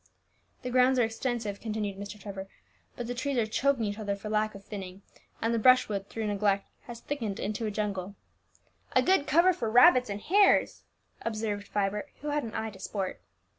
"The grounds are extensive," continued Mr. Trevor; "but the trees are choking each other for lack of thinning; and the brushwood, through neglect, has thickened into a jungle." "A good cover for rabbits and hares," observed Vibert, who had an eye to sport.